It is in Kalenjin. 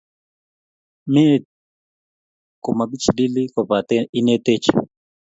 Meet komakichilile kobate inetech.